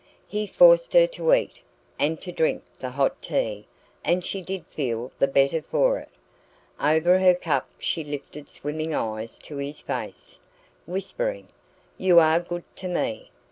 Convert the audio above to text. He forced her to eat, and to drink the hot tea, and she did feel the better for it. Over her cup she lifted swimming eyes to his face, whispering: "You are good to me!"